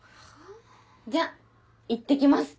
じゃあいってきます。